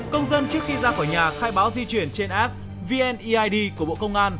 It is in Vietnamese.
công dân trước khi ra khỏi nhà khai báo di chuyển trên app vneid của bộ công an